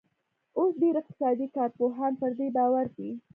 اوس ډېر اقتصادي کارپوهان پر دې باور دي.